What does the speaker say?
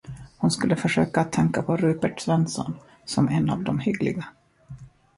Hon skulle försöka att tänka på Rupert Svensson som en av de hyggliga.